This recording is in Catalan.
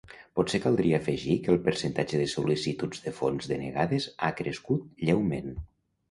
Potser caldria afegir que el percentatge de sol·licituds de fons denegades ha crescut lleument.